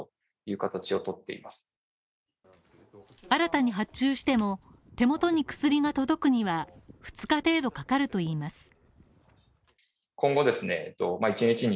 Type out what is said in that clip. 新たに発注しても手元に薬が届くには２日程度かかるといいます。